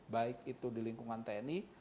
baik itu di lingkungan tni